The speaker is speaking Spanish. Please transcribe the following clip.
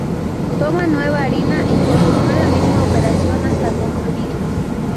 Toma nueva harina y continúa la misma operación hasta concluir.